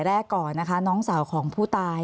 มันเป็นแบบที่สุดท้าย